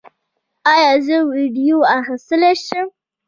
ایا زه ویډیو اخیستلی شم؟